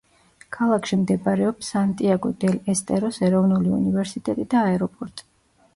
ქალაქში მდებარეობს სანტიაგო-დელ-ესტეროს ეროვნული უნივერსიტეტი და აეროპორტი.